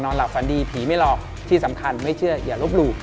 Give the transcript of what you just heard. นอนหลับฝันดีผีไม่รอที่สำคัญไม่เชื่ออย่ารบรู